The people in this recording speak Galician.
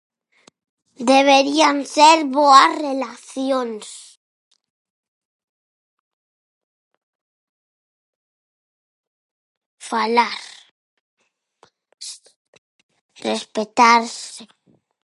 Deberían ser boas relacións. Falar. Respectarse.